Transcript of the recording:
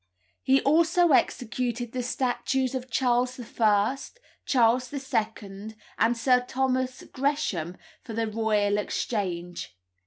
He also executed the statues of Charles I., Charles II., and Sir Thomas Gresham for the Royal Exchange.